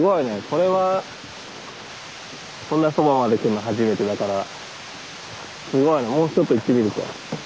こんなそばまで来るの初めてだからすごいねもうちょっと行ってみるか。